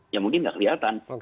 ya mungkin nggak kelihatan